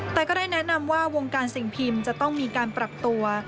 แต่ก็ได้แนะนำว่าวงการสิ่งพิมพ์จะต้องมีการปรับตัว